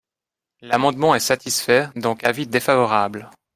L’amendement est satisfait donc avis défavorable.